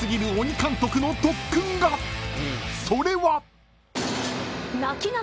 ［それは］